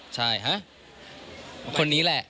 ใช่ฮะคนนี้แหละ